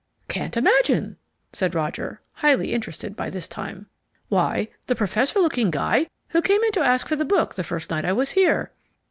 "Can't imagine," said Roger, highly interested by this time. "Why, the professor looking guy who came in to ask for the book the first night I was here."